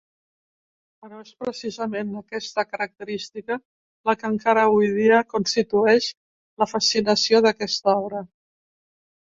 Però és precisament aquesta característica la que encara avui dia constitueix la fascinació d'aquesta obra.